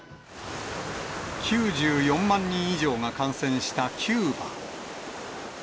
９４万人以上が感染したキューバ。